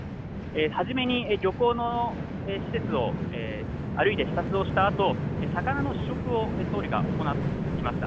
初めに、漁港の施設を歩いて視察をしたあと魚の試食を総理が行いました。